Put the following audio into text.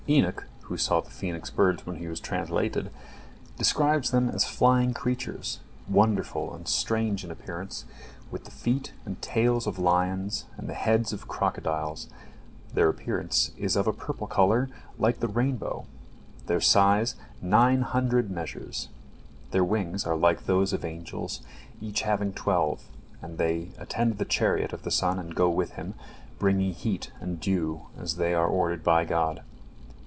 Enoch, who saw the phoenix birds when he was translated, describes them as flying creatures, wonderful and strange in appearance, with the feet and tails of lions, and the heads of crocodiles; their appearance is of a purple color like the rainbow; their size nine hundred measures. Their wings are like those of angels, each having twelve, and they attend the chariot of the sun and go with him, bringing heat and dew as they are ordered by God.